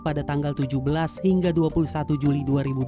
pada tanggal tujuh belas hingga dua puluh satu juli dua ribu dua puluh